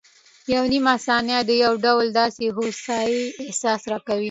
یوه نیمه ثانیه د یو ډول داسې هوسایي احساس راکوي.